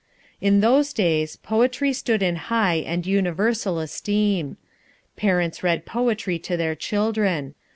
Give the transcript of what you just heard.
In those days poetry stood in high and universal esteem. Parents read poetry to their children.